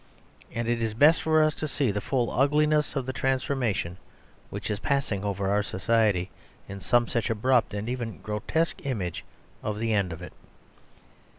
And it is best for us to see the full ugliness of the transformation which is passing over our Society in some such abrupt and even grotesque image at the end of it.